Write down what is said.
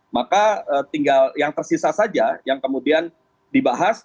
maka tinggal yang tersisa saja yang kemudian dibahas